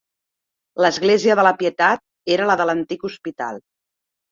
L'església de la Pietat era la de l'antic Hospital.